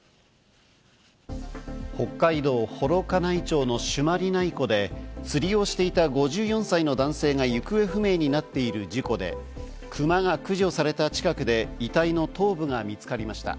北海道幌加内町の朱鞠内湖で釣りをしていた５４歳の男性が行方不明になっている事故で、クマが駆除された近くで遺体の頭部が見つかりました。